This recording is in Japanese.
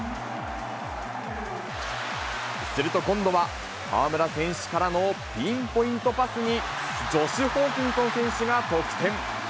すると今度は、河村選手からのピンポイントパスに、ジョシュ・ホーキンソン選手が得点。